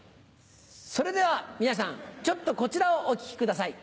それでは皆さんちょっとこちらをお聴きください。